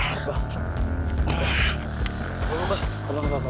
abu bangun abah